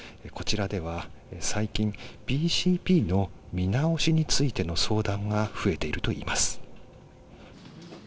こちらでは最近、ＢＣＰの見直しについての相談が増えているといいます。